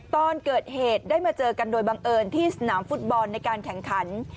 ตอนเกิดเหตุได้มาเจอกันโดยบังเอิญที่สนามฟุตบอลในการแข่งขัน